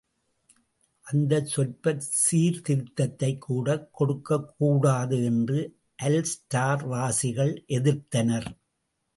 அந்தச் சொற்பச் சீர்திருத்தத்தைக்கூடக் கொடுக்கக்கூடாது என்று அல்ஸ்டர்வாசிகள் எதிர்த்தனர்.